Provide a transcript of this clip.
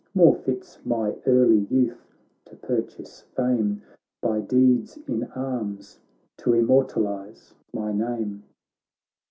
More fits my early youth to purchase fame By deedsin arms t' immortalize my name.'